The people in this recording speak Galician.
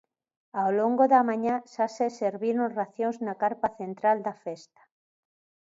Ao longo da mañá xa se serviron racións na carpa central da festa.